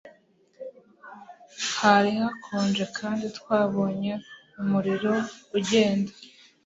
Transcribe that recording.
Hari hakonje kandi twabonye umuriro ugenda.